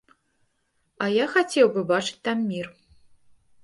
А я хацеў бы бачыць там мір.